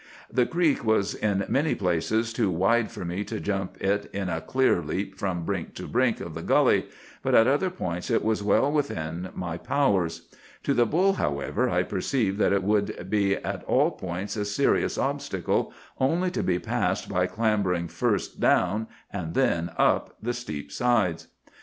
"The creek was in many places too wide for me to jump it in a clear leap from brink to brink of the gully, but at other points it was well within my powers. To the bull, however, I perceived that it would be at all points a serious obstacle, only to be passed by clambering first down and then up the steep sides.